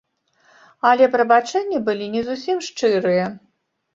Але прабачэнні былі не зусім шчырыя.